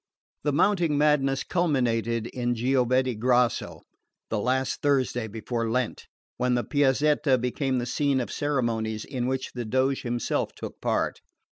The mounting madness culminated on Giovedi Grasso, the last Thursday before Lent, when the Piazzetta became the scene of ceremonies in which the Doge himself took part.